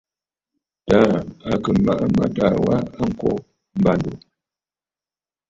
Taà à kɨ̀ màʼa mâtaà wa a kô m̀bândòò.